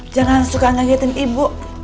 jangan suka ngegiatin ibu